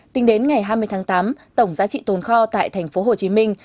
tính đến ngày hai mươi tháng tám tổng giá trị tồn kho tại thành phố hồ chí minh